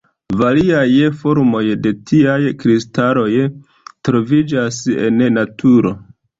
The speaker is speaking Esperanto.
Variaj formoj de tiaj kristaloj troviĝas en naturo.